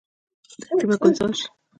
دښتې به ګلزار شي.